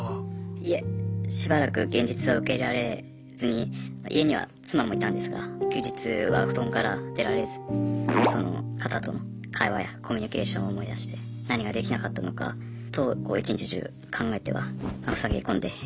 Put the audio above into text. いえしばらく現実を受け入れられずに家には妻もいたんですが休日は布団から出られずその方との会話やコミュニケーションを思い出して何かできなかったのかと一日中考えては塞ぎ込んでいました。